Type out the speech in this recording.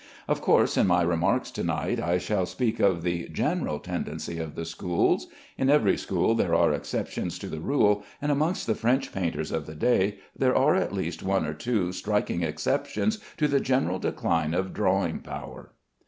Of course, in my remarks to night I shall speak of the general tendency of the schools. In every school there are exceptions to the rule, and amongst the French painters of the day there are at least one or two striking exceptions to the general decline of drawing power.